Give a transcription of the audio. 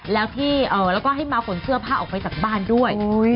แล้วก็ให้มาขนเสื้อผ้าออกไปจากบ้านด้วย